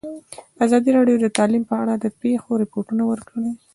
ازادي راډیو د تعلیم په اړه د پېښو رپوټونه ورکړي.